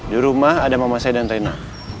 di rumah ada mama saya dan tena